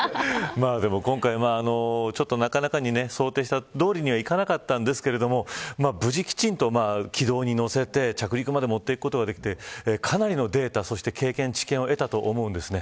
今回は、なかなかに想定したとおりにはいきませんでしたが無事、きちんと軌道に乗せて着陸までもっていことができてかなりのデータ経験、知見を得たと思うんです